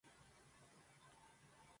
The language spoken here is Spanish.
Es muy bonito.